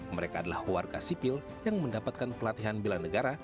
mereka adalah warga sipil yang mendapatkan pelatihan bela negara